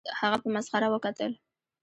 هغه په مسخره وکتل